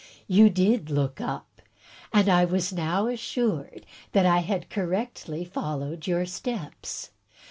You did look up; and I was now assured that I had correctly followed your steps.